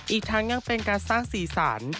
อีกทั้งยังเป็นการสร้างสีสัน